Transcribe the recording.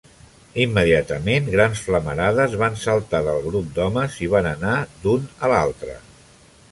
Immediatament, grans flamarades van saltar del grup d"homes i van anar d"un a l"altre.